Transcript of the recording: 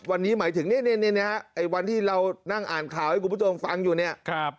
วันนี้หมายถึงเนี่ยนะฮะไอ้วันที่เรานั่งอ่านข่าวให้คุณผู้ชมฟังอยู่เนี่ย